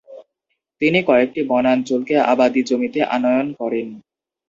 তিনি কয়েকটি বনাঞ্চলকে আবাদী জমিতে আনয়ন করেন।